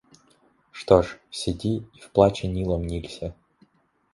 Что ж, сиди и в плаче Нилом нилься.